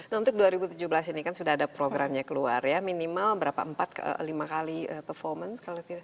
nah untuk dua ribu tujuh belas ini kan sudah ada programnya keluar ya minimal berapa empat lima kali performance kalau tidak salah